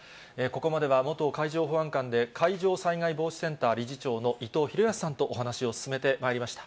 ここまでは元海上保安官で海上災害防止センター理事長の伊藤裕康さんとお話を進めてまいりました。